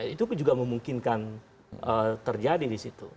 itu juga memungkinkan terjadi disitu